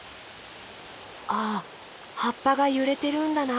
あはっぱがゆれてるんだな。